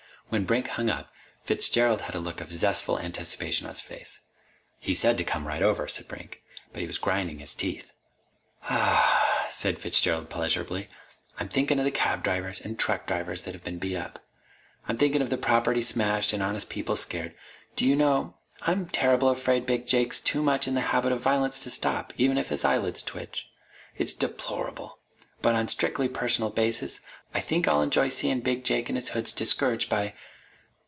When Brink hung up, Fitzgerald had a look of zestful anticipation on his face. "He said to come right over," said Brink. "But he was grinding his teeth." "Ah h h!" said Fitzgerald pleasurably. "I'm thinkin' of the cab drivers an' truck drivers that've been beat up. I'm thinkin' of property smashed and honest people scared.... Do you know, I'm terrible afraid Big Jake's too much in the habit of violence to stop, even if his eyelids twitch? It's deplorable! But on a strictly personal basis I think I'll enjoy seein' Big Jake an' his hoods discouraged by